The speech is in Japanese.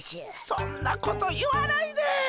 そんなこと言わないで。